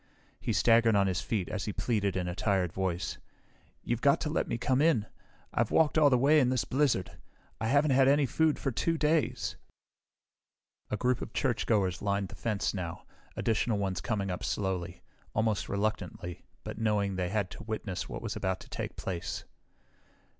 He staggered on his feet as he pleaded in a tired voice. "You've got to let me come in. I've walked all the way in this blizzard. I haven't had any food for two days." A group of churchgoers lined the fence now, additional ones coming up slowly, almost reluctantly, but knowing they had to witness what was about to take place.